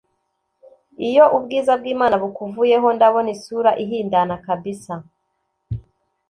Iyo ubwiza bw’Imana bukuvuyeho ndabona isura ihindana kbsa